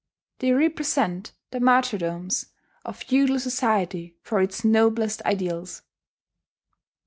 They represent the martyrdoms of feudal society for its noblest ideals.